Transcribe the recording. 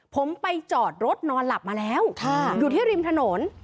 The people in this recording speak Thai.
ผมไปจอดรถนอนหลับมาแล้วอยู่ที่ริมถนน